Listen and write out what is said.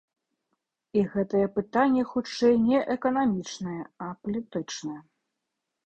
І гэтае пытанне хутчэй не эканамічнае, а палітычнае.